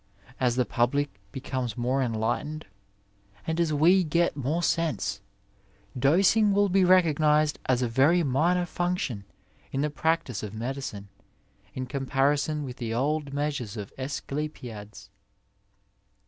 As the public becomes more enlightened, and as we get more sense, dosing will be recognized as a very minor function in the practise of medicine in comparison with the old measures of Asclepiades.